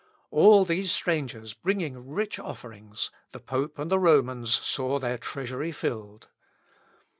All these strangers bringing rich offerings, the pope and the Romans saw their treasury filled.